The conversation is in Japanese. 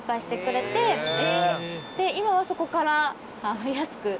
今はそこから安く。